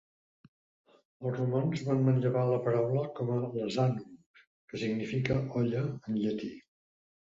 Els romans van manllevar la paraula com a "lasanum", que significa "olla" en llatí.